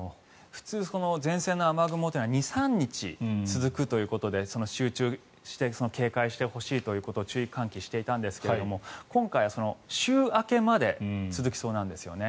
普通前線の雨雲というのは２３日続くということで集中して警戒してほしいということを注意喚起していたんですが今回は週明けまで続きそうなんですよね。